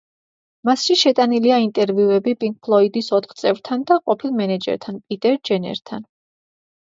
მასში შეტანილია ინტერვიუები პინკ ფლოიდის ოთხ წევრთან და ყოფილ მენეჯერთან, პიტერ ჯენერთან.